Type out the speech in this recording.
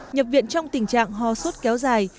nhập viện trong tình trạng ho suốt kéo dài